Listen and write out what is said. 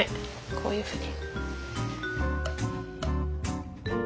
こういうふうに。